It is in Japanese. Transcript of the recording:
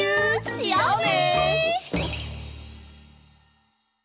しようね！